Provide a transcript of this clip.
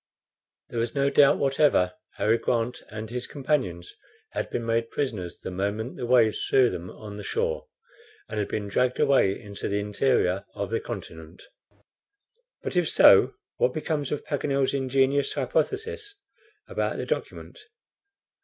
There was no doubt whatever Harry Grant and his companions had been made prisoners the moment the waves threw them on the shore, and been dragged away into the interior of the continent. But if so, what becomes of Paganel's ingenious hypothesis about the document?